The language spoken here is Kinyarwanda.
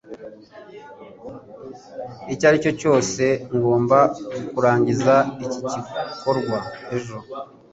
Icyaricyo cyose, ngomba kurangiza iki gikorwa ejo.